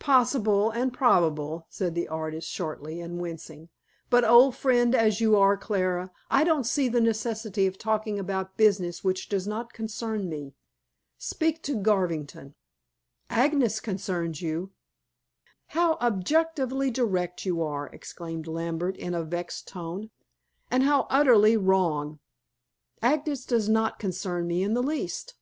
"Possible and probable," said the artist shortly, and wincing; "but old friend as you are, Clara, I don't see the necessity of talking about business which does not concern me. Speak to Garvington." "Agnes concerns you." "How objectionably direct you are," exclaimed Lambert in a vexed tone. "And how utterly wrong. Agnes does not concern me in the least.